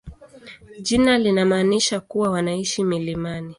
Jina linamaanisha kuwa wanaishi milimani.